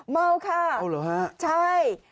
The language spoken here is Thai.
เมาค่ะใช่